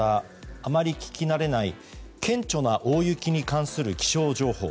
あまり聞き慣れない顕著な大雪に関する気象情報。